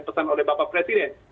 pesan oleh bapak presiden